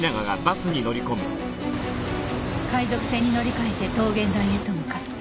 海賊船に乗り換えて桃源台へと向かった。